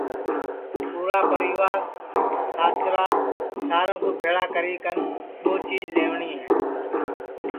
تو ایک نہنی سی چیج لئیوٹؔے نتر پُورا پریوار ساسرا سارے کُو بھیݪا کری کن ٻو چیج لئیوٹؔی ہے